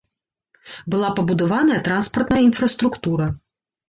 Была пабудаваная транспартная інфраструктура.